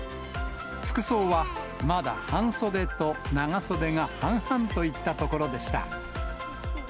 服装はまだ半袖と長袖が半々といったところでした。